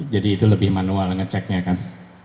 jadi itu lebih manual ngeceknya kan